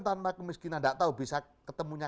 tanpa kemiskinan gak tau bisa ketemunya